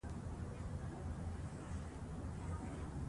زه په يخه هوا کې ولاړ يم او نيټ کاروم.